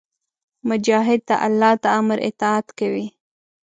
مجاهد د الله د امر اطاعت کوي.